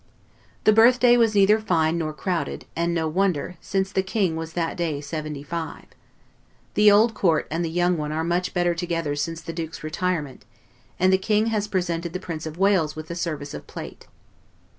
The birth day was neither fine nor crowded; and no wonder, since the King was that day seventy five. The old Court and the young one are much better together since the Duke's retirement; and the King has presented the Prince of Wales with a service of plate.